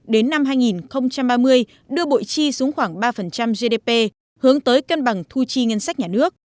đến năm hai nghìn ba mươi đưa bộ chi xuống khoảng ba gdp hướng tới cân bằng thu chi ngân sách nhà nước